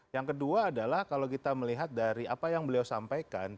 yang kedua adalah kalau kita melihat dari apa yang beliau sampaikan